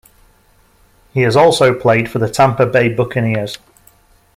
He has also played for the Tampa Bay Buccaneers.